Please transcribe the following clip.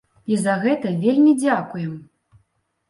І за гэта вельмі дзякуем!